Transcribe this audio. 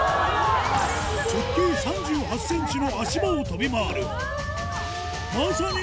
直径 ３８ｃｍ の足場を跳び回るまさに